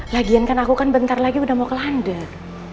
lagian kan aku kan bentar lagi udah mau ke london